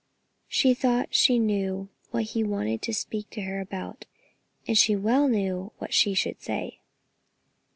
She thought she knew what he wanted to speak to her about, and she well knew what she should say.